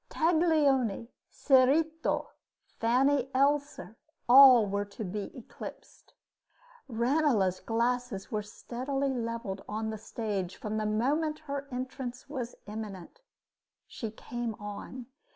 Taglioni, Cerito, Fanny Elssler, all were to be eclipsed. Ranelagh's glasses were steadily leveled on the stage from the moment her entrance was imminent. She came on.